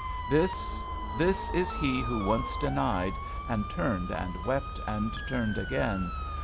This, this is he who once denied. And turned and wept and turned again.